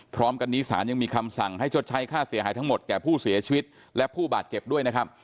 พร้อมกันนี้ศาลยังมีคำสั่งให้ชดใช้ค่าเสียหายทั้งหมดแก่ผู้เสียชีวิตและผู้บาดเจ็บด้วยนะครับ